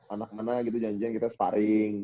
anak anak gitu janjian kita sparring